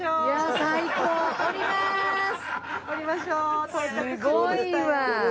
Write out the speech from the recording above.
すごいわ。